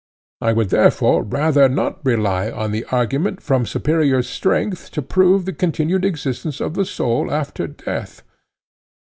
I would therefore rather not rely on the argument from superior strength to prove the continued existence of the soul after death.